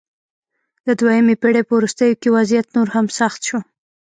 د دویمې پېړۍ په وروستیو کې وضعیت نور هم سخت شو